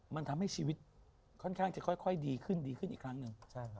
มันทำให้ชีวิตค่อนข้างจะค่อยดีขึ้นดีขึ้นอีกครั้งหนึ่ง